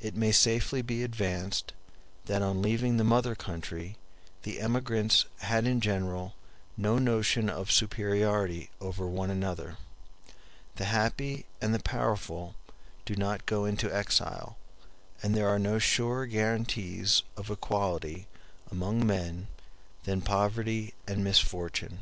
It may safely be advanced, that on leaving the mother country the emigrants had in general no notion of superiority over one another. The happy and the powerful do not go into exile, and there are no surer guarantees of equality among men than poverty and misfortune.